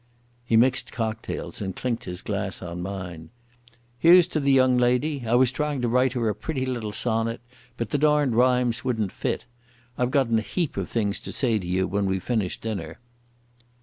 He mixed cocktails and clinked his glass on mine. "Here's to the young lady. I was trying to write her a pretty little sonnet, but the darned rhymes wouldn't fit. I've gotten a heap of things to say to you when we've finished dinner."